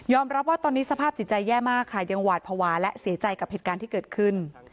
รับว่าตอนนี้สภาพจิตใจแย่มากค่ะยังหวาดภาวะและเสียใจกับเหตุการณ์ที่เกิดขึ้น